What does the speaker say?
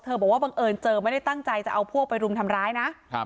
บอกว่าบังเอิญเจอไม่ได้ตั้งใจจะเอาพวกไปรุมทำร้ายนะ